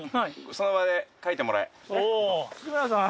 その場で書いてもらえ！